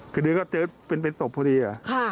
คือเดี๋ยวก็เจอเป็นเป็นศพพอดี